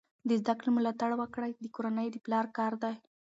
د زده کړې ملاتړ کول د کورنۍ د پلار کار دی.